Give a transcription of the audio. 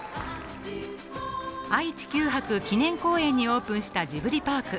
愛・地球博記念公園にオープンしたジブリパーク。